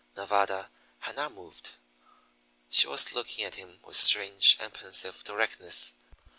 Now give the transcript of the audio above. Nevada had not moved. She was looking at him with strange and pensive directness.